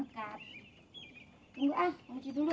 gue mau ke hindun dulu